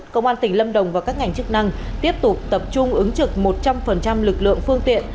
công an tỉnh lâm đồng và các ngành chức năng tiếp tục tập trung ứng trực một trăm linh lực lượng phương tiện